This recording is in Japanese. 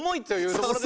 ところでは。